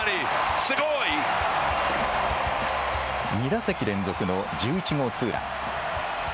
２打席連続の１１号ツーラン。